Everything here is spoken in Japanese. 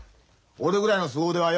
俺ぐらいのすご腕はよ